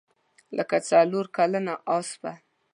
لکه څلورکلنه اسپه.